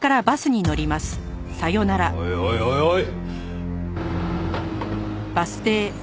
おいおいおいおい！